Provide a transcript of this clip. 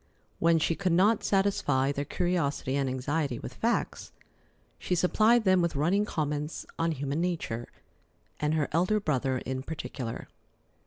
When she could not satisfy their curiosity and anxiety with facts, she supplied them with running comments on human nature and her elder brother in particular.